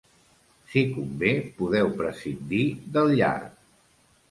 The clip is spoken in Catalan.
Si convé, podeu prescindir del llard.